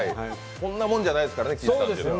こんなもんじゃないですからね、岸さんは。